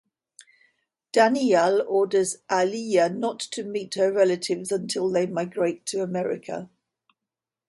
Daniyal orders Aliya not to meet her relatives until they migrate to America.